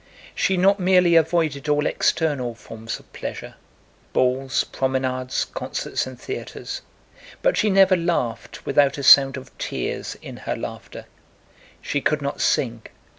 She not merely avoided all external forms of pleasure—balls, promenades, concerts, and theaters—but she never laughed without a sound of tears in her laughter. She could not sing.